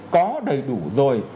có đầy đủ rồi